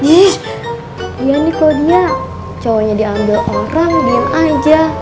dia nih kalau dia cowoknya diambil orang diam aja